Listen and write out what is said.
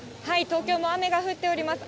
東京も雨が降っております。